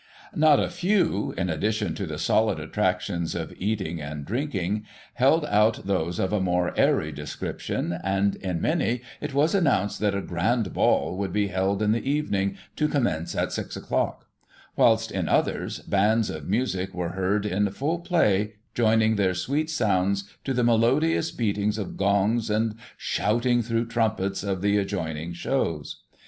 " Not a few, in addition to the solid attractions of eating Digiti ized by Google 56 GOSSIP. [1838 and drinking, held out those of a more * airy ' description, and, in many, it was announced that a * grand ball' would be held in the evening, * to commence at six o'clock '; whilst, in others, bands of music were heard * in full play,' joining their sweet sounds to the melodious beatings of gongs and shouting through trumpets of the adjoining shows.